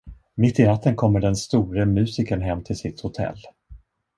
Mitt i natten kommer den store musikern hem till sitt hotell.